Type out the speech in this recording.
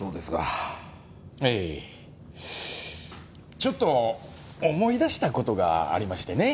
ちょっと思い出した事がありましてね。